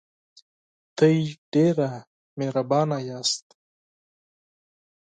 تاسو ډیر مهربانه یاست.